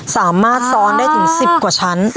สามารถซ้อนได้ถึง๑๐กว่าชั้น